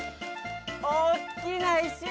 おっきないしだな。